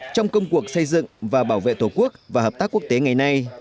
trong công cuộc xây dựng và bảo vệ tổ quốc và hợp tác quốc tế ngày nay